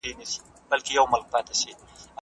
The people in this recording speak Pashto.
دا ميدان د لمر ذرات شړي.